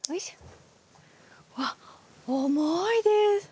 わっ重いです。